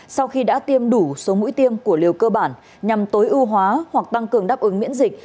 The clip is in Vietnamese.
sau khi đã tiêm đủ số mũi tiêm của liều cơ bản nhằm tối ưu hóa hoặc tăng cường đáp ứng miễn dịch